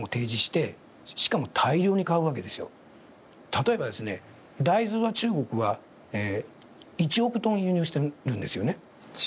例えば、大豆は中国は１億トン輸入してるんですよね。